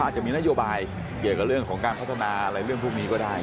อาจจะมีนโยบายเกี่ยวกับเรื่องของการพัฒนาอะไรเรื่องพวกนี้ก็ได้